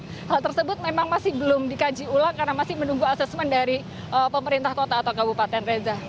hal tersebut memang masih belum dikaji ulang karena masih menunggu asesmen dari pemerintah kota atau kabupaten reza